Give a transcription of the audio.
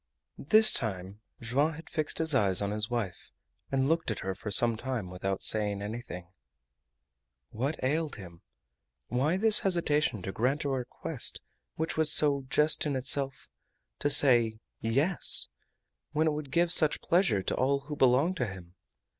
This time Joam had fixed his eyes on his wife and looked at her for some time without saying anything. What ailed him? Why this hesitation to grant a request which was so just in itself to say "Yes," when it would give such pleasure to all who belonged to him?